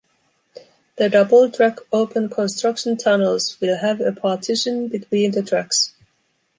The double-track open construction tunnels will have a partition between the tracks.